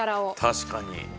確かに。